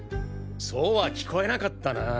そうは聞こえなかったなぁ。